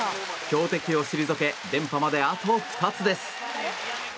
強敵を退け連覇まで、あと２つです。